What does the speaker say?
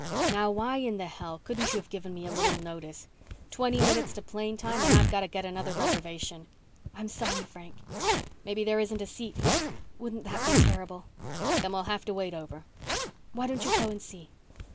"Now why in the hell couldn't you have given me a little notice? Twenty minutes to plane time and I've got to get another reservation." "I'm sorry, Frank." "Maybe there isn't a seat." "Wouldn't that be terrible?" "Then we'll have to wait over." "Why don't you go and see?"